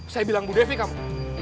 saya bilang bu devi kamu